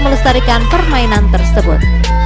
lestarikan permainan tersebut